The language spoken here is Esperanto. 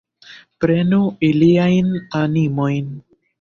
Prenu iliajn animojn!